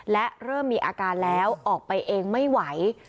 และเริ่มมีอาการแล้วออกไปเองไม่ไหว